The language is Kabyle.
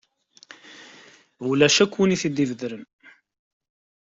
Ulac akk win i t-id-ibedren.